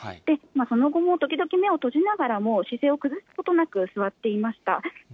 その後も時々目を閉じながらも、姿勢を崩すことなく座っていました。